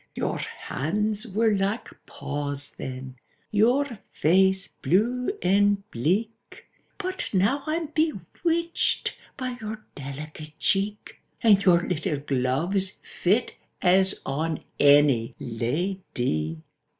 —"Your hands were like paws then, your face blue and bleak, But now I'm bewitched by your delicate cheek, And your little gloves fit as on any la dy!"